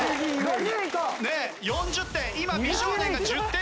４０点。